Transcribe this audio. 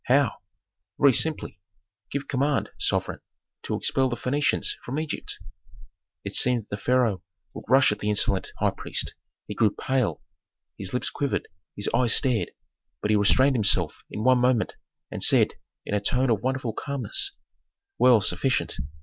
"How?" "Very simply. Give command, sovereign, to expel the Phœnicians from Egypt." It seemed that the pharaoh would rush at the insolent high priest; he grew pale, his lips quivered, his eyes stared. But he restrained himself in one moment, and said, in a tone of wonderful calmness, "Well, sufficient.